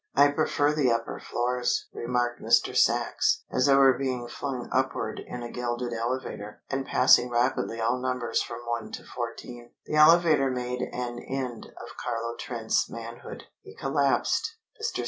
"I prefer the upper floors," remarked Mr. Sachs as they were being flung upward in a gilded elevator, and passing rapidly all numbers from 1 to 14. The elevator made an end of Carlo Trent's manhood. He collapsed. Mr.